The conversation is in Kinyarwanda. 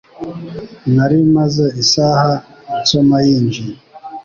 Nari maze isaha nsoma yinjiye.